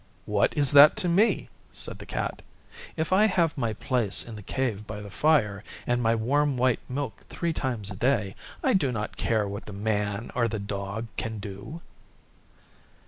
'What is that to me?' said the Cat. 'If I have my place in the Cave by the fire and my warm white milk three times a day I do not care what the Man or the Dog can do.